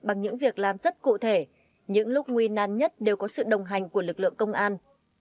bằng những việc làm rất cụ thể những lúc nguy nan nhất đều có sự đồng hành của lực lượng công an